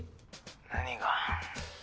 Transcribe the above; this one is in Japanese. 何が？